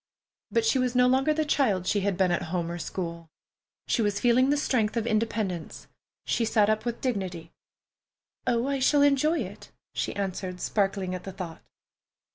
But she was no longer the child she had been at home or school. She was feeling the strength of independence. She sat up with dignity. "Oh, I shall enjoy it," she answered, sparkling at the thought.